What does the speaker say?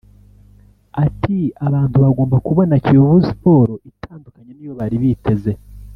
Ati “Abantu bagomba kubona Kiyovu Sports itandukanye n’iyo bari biteze